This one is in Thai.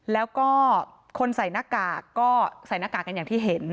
แล้วก็คนใส่หน้ากากก็ใส่หน้ากากกันอย่างที่เห็น